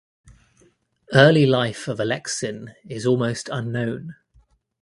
Early life of Aleksin is almost unknown.